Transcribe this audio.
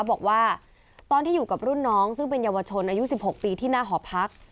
บอกว่าตอนที่อยู่กับรุ่นน้องซึ่งเป็นเยาวชนอายุ๑๖ปีที่หน้าหอพัก